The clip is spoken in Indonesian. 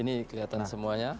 ini kelihatan semuanya